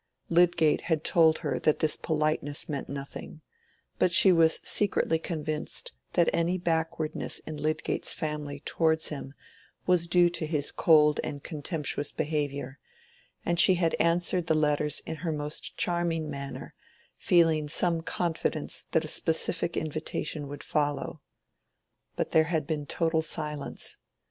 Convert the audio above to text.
Lydgate had told her that this politeness meant nothing; but she was secretly convinced that any backwardness in Lydgate's family towards him was due to his cold and contemptuous behavior, and she had answered the letters in her most charming manner, feeling some confidence that a specific invitation would follow. But there had been total silence.